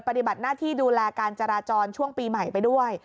ปฏิบัติหน้าที่ดูแลการจราจรช่วงปีใหม่ไปด้วย